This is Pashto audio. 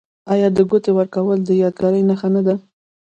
آیا د ګوتې ورکول د یادګار نښه نه ده؟